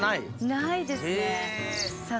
ないですね。